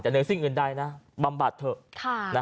แต่เหนือสิ่งอื่นใดนะบำบัดเถอะ